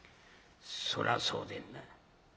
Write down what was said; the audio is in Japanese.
そらそうでんな。